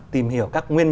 tìm hiểu các nguyên liệu